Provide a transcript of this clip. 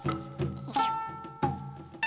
よいしょ。